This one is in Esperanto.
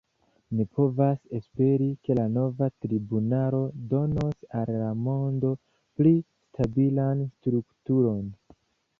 Ni povas esperi, ke la nova tribunalo donos al la mondo pli stabilan strukturon.